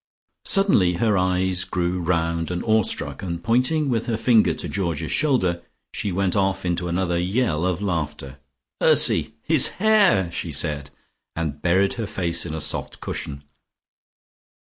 Suddenly her eyes grew round and awestruck, and pointing with her finger to Georgie's shoulder, she went off into another yell of laughter. "Ursy! His hair!" she said, and buried her face in a soft cushion.